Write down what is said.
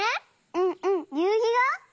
うんうんゆうひが？